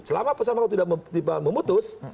selama putusan makam agung tidak memutus